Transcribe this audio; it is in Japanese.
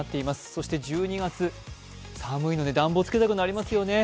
そして１２月、寒いので暖房をつけたくなりますよね。